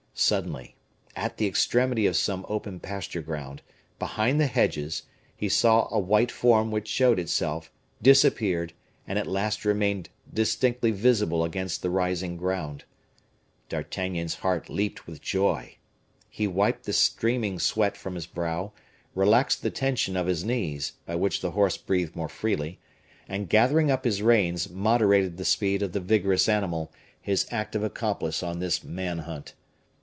Suddenly, at the extremity of some open pasture ground, behind the hedges, he saw a white form which showed itself, disappeared, and at last remained distinctly visible against the rising ground. D'Artagnan's heart leaped with joy. He wiped the streaming sweat from his brow, relaxed the tension of his knees, by which the horse breathed more freely, and, gathering up his reins, moderated the speed of the vigorous animal, his active accomplice on this man hunt.